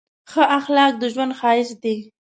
ښه اخلاق د ژوند ښایست دی.